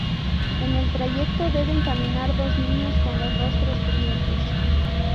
En el trayecto deben caminar dos niños con los rostros cubiertos.